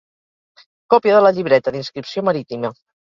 Còpia de la llibreta d'inscripció marítima.